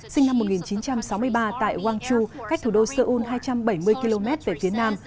sinh năm một nghìn chín trăm sáu mươi ba tại wangchu cách thủ đô seoul hai trăm bảy mươi km về phía nam